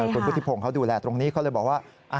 กลุ่มพุทธิพงเขาดูแลกันเขาเลยบอกว่า